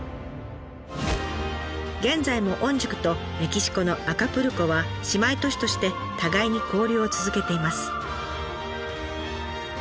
現在も御宿とメキシコのアカプルコは姉妹都市として互いに交流を続けています。